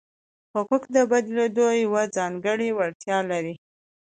حقوق د بدلېدو یوه ځانګړې وړتیا لري.